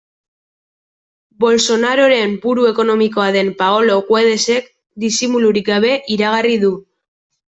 Bolsonaroren buru ekonomikoa den Paolo Guedesek disimulurik gabe iragarri du.